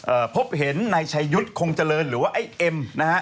พบเห็นนายชัยยุทธ์คงเจริญหรือว่าไอ้เอ็มนะฮะ